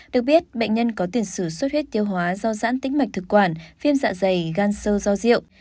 được biết bệnh nhân có tiền sử suất huyết tiêu hóa do giãn tính mạch thực quản phim dạ dày gan sơ do diệu